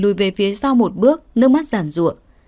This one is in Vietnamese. lùi về phía sau một bước nước mắt giản ruộng